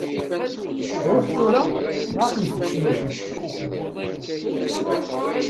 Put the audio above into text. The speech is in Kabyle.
Ṛuḥ tura, neɣ ad kem-teǧǧ tmacint.